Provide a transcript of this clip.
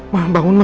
ma bangun ma